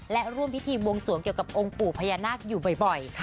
และร่วมพิธีบวงสวงเกี่ยวกับองค์ปู่พญานาคอยู่บ่อย